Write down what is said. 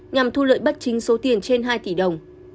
nhằm thu lợi bất chính số tiền trên hai tỷ đồng